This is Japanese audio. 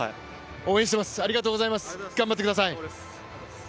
応援しています、ありがとうございます、頑張ってください。